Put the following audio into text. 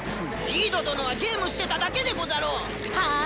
リード殿はゲームしてただけでござろう⁉はぁ？